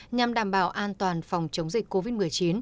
nhằm đảm bảo an toàn phòng chống dịch covid một mươi chín